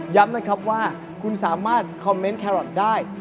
นะครับว่าคุณสามารถคอมเมนต์แครอทได้